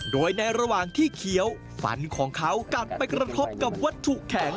โดยในระหว่างที่เคี้ยวฟันของเขากลับไปกระทบกับวัตถุแข็ง